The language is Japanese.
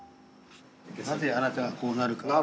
なぜあなたがこうなるか。